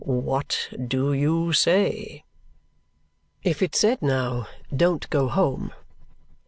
"What do you say?" If it said now, "Don't go home!"